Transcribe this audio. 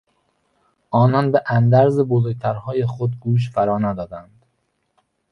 آنان به اندرز بزرگترهای خود گوش فرا ندادند.